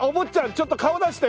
ちょっと顔出して！